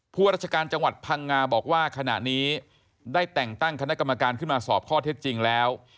ราชการจังหวัดพังงาบอกว่าขณะนี้ได้แต่งตั้งคณะกรรมการขึ้นมาสอบข้อเท็จจริงแล้ว